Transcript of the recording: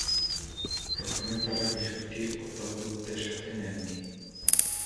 প্রথমে তারা বিষয়টি অত গুরুত্বের সাথে নেননি।